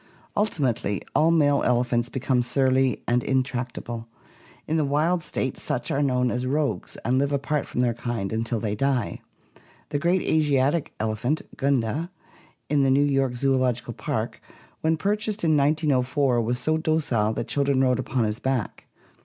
Ultimately all male elephants become surly and intract able; in the wild state such are known as rogues and live apart from their kind until they die. The great Asiatic elephant "Gunda" (see PL XXIII, B) in the New York Zoological Park, when pur chased in 1904 was so docile that children rode upon his back.